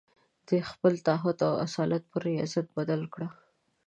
د خپل تعهد د اصالت پر رياضت بدله کړه.